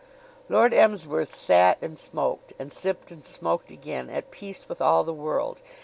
Lord Emsworth sat and smoked, and sipped and smoked again, at peace with all the world.